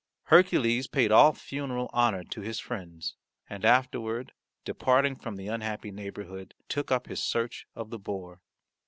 Hercules paid all funeral honour to his friends and afterward departing from the unhappy neighbourhood took up his search of the boar.